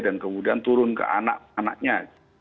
dan kemudian turun ke anak anaknya